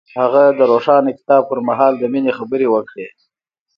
هغه د روښانه کتاب پر مهال د مینې خبرې وکړې.